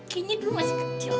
kayaknya dulu masih kecil